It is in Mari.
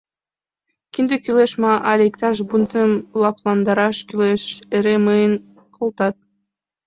Кинде кӱлеш ма, але иктаж бунтым лыпландараш кӱлеш, эре мыйым колтат: